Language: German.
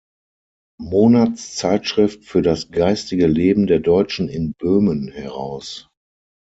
Monatszeitschrift für das geistige Leben der Deutschen in Böhmen" heraus.